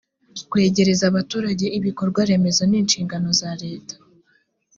kwegereza abaturage ibikorwaremezo nishingano za leta.